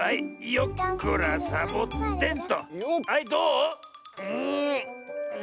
よっこらサボテンと。